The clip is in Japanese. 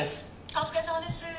お疲れさまです。